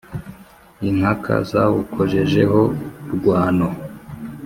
Inkaka zawukojejeho urwano